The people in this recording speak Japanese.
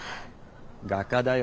画家だよ。